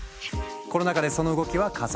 コロナ禍でその動きは加速。